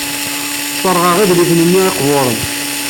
Sserɣeɣ idlisen-nni iqburen.